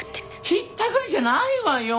ひったくりじゃないわよ。